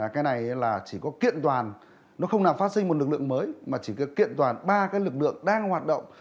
cái này là chỉ có kiện toàn nó không làm phát sinh một lực lượng mới mà chỉ có kiện toàn ba cái lực lượng đang hoạt động